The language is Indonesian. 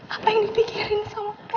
apa yang dipikirin sama kak